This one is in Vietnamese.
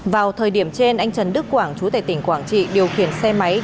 vào thời điểm trên anh trần đức quảng chú tệ tỉnh quảng trị điều khiển xe máy